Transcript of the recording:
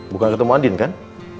bukan ketemu andin kan